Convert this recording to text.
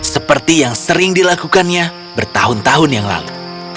seperti yang sering dilakukannya bertahun tahun yang lalu